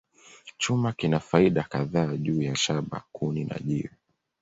Chuma kina faida kadhaa juu ya shaba, kuni, na jiwe.